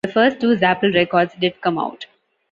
The first two Zapple records did come out.